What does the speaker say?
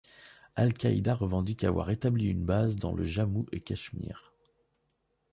Al-Qaïda revendique avoir établi une base dans le Jammu-et-Cachemire.